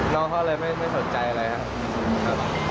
น้องเขาเลยไม่สนใจอะไรครับ